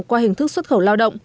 qua hình thức xuất khẩu lao động